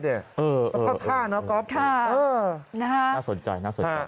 มันก็ท่าเนอะก๊อฟเออนะครับน่าสนใจ